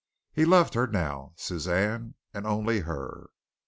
He loved her now, Suzanne, and only her.